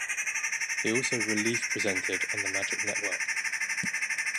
He also relief presented on the Magic network.